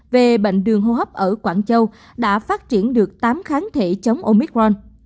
về bệnh đường hô hấp ở quảng châu đã phát triển được tám kháng thể chống omicron